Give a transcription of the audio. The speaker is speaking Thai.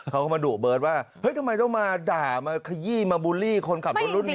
เขาก็มาดุเบิร์ตว่าเฮ้ยทำไมต้องมาด่ามาขยี้มาบูลลี่คนขับรถรุ่นนี้